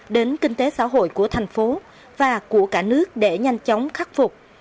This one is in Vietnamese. đến kinh tế xã hội của thành phố và của cả nước để nhanh chóng khắc phục